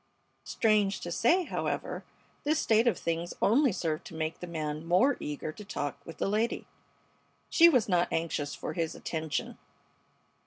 Strange to say, however, this state of things only served to make the man more eager to talk with the lady. She was not anxious for his attention.